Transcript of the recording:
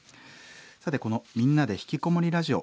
さてこの「みんなでひきこもりラジオ」